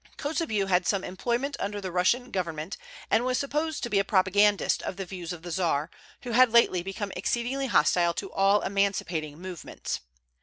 Kotzebue had some employment under the Russian government, and was supposed to be a propagandist of the views of the Czar, who had lately become exceedingly hostile to all emancipating movements.